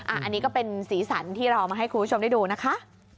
อันนี้ก็เป็นสีสันที่เราเอามาให้คุณผู้ชมได้ดูนะคะ